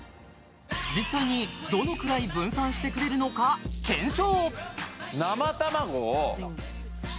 実際にどのくらい分散してくれるのか検証